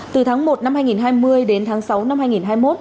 từ tháng một năm hai nghìn hai mươi đến tháng sáu năm hai nghìn hai mươi một